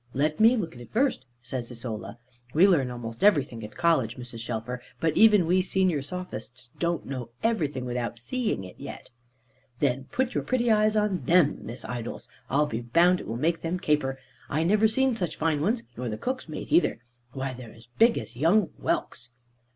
"Let me look at it first," says Isola, "we learn almost everything at college, Mrs. Shelfer; but even we senior sophists don't know every thing without seeing it yet." "Then put your pretty eyes on them, Miss Idols; I'll be bound it will make them caper. I never see such fine ones, nor the cook's mate either. Why they're as big as young whelks."